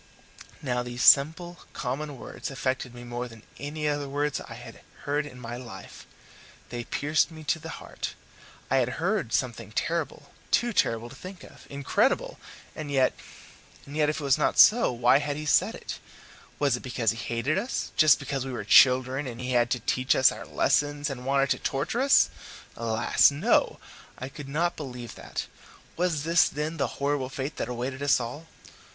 Now these simple, common words affected me more than any other words I have heard in my life. They pierced me to the heart. I had heard something terrible too terrible to think of, incredible and yet and yet if it was not so, why had he said it? Was it because he hated us, just because we were children and he had to teach us our lessons, and wanted to torture us? Alas! no, I could not believe that! Was this, then, the horrible fate that awaited us all?